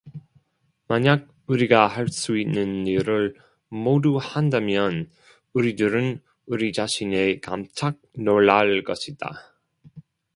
만약 우리가 할 수 있는 일을 모두 한다면 우리들은 우리 자신에 깜짝 놀랄 것이다.